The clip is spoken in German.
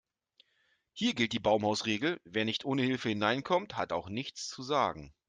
Hier gilt die Baumhausregel: Wer nicht ohne Hilfe hineinkommt, hat auch nichts zu sagen.